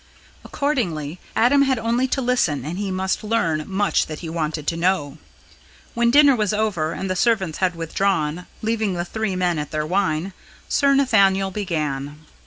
Accordingly, Adam had only to listen and he must learn much that he wanted to know. When dinner was over and the servants had withdrawn, leaving the three men at their wine, Sir Nathaniel began.